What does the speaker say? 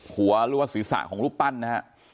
หรือว่าศีรษะของรูปปั้นนะฮะ